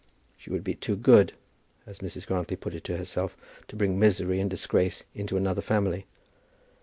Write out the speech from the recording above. She would be too good, as Mrs. Grantly put it to herself, to bring misery and disgrace into another family.